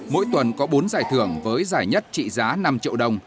mỗi tuần có bốn giải thưởng với giải nhất trị giá năm triệu đồng